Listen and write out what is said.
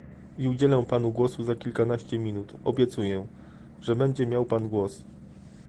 I udzielę panu głosu za kilkanaście minut, obiecuję, że będzie miał pan głos